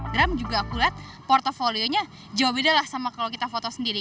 terus aku lihat portfolio nya jauh beda sama kalau kita foto sendiri